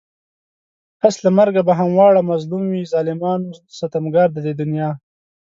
پس له مرگه به همه واړه مظلوم وي ظالمان و ستمگار د دې دنيا